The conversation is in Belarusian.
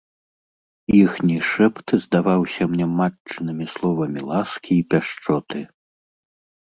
Іхні шэпт здаваўся мне матчынымі словамі ласкі і пяшчоты.